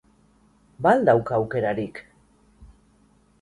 Ba al dauka aukerarik?